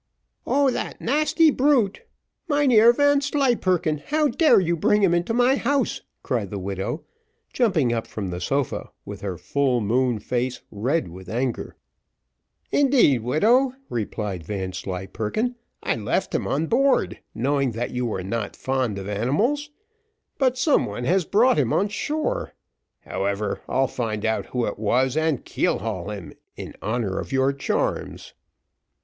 "O that nasty brute! Mynheer Vanslyperken, how dare you bring him into my house?" cried the widow, jumping up from the sofa, with her full moon face red with anger. "Indeed, widow," replied Vanslyperken, "I left him on board, knowing that you were not fond of animals; but some one has brought him on shore. However, I'll find out who it was, and keel haul him in honour of your charms."